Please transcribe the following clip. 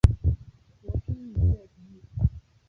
国乒女队同理。